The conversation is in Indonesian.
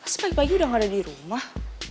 masih pagi pagi udah gak ada di rumah